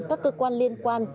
các cơ quan liên quan